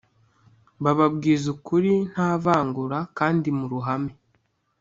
bababwiza ukuri nta vangura kandi mu ruhame